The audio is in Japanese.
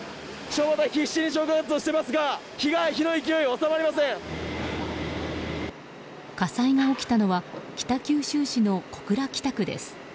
消防隊が必死に消火活動をしておりますが火災が起きたのは北九州市の小倉北区です。